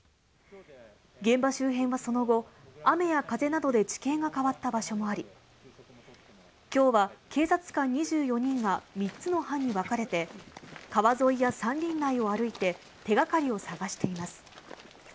現場周辺はその後、雨や風などで地形が変わった場所もあり、きょうは警察官２４人が３つの班に分かれて、川沿いや山林内を歩いて、手がかりを探しています。